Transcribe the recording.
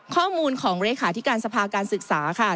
ข้อมูลของเลขาธิการสภาการศึกษาค่ะ